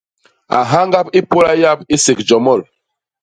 A ñhangap i pôla yap i sék jomol.